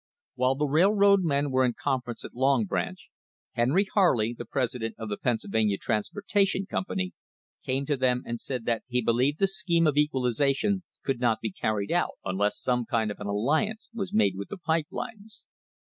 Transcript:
While the railroad men were in conference at Long Branch, Henry Harley, the president of the Pennsylvania Transportation Company, came to them and said that he believed the scheme of equalisation could not be carried out unless some kind of an alliance was made with the pipe lines.